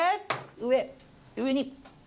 上上に！